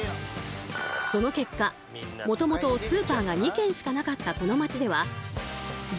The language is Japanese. その結果もともとスーパーが２軒しかなかったこの町では誰だ？